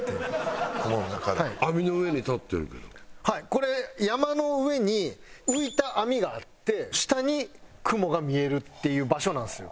これ山の上に浮いた網があって下に雲が見えるっていう場所なんですよ。